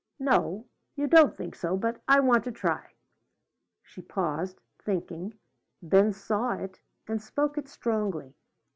No, you don't think so; but I want to try." She paused, thinking; then saw it and spoke it strongly.